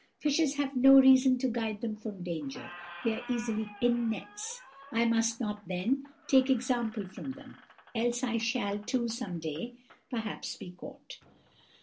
Fishes have no reason to guide them from danger; they are easily caught in nets. I must not, then, take example from them, else I shall, too, some day, perhaps, be caught.